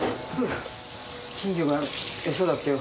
金魚が餌だってよ。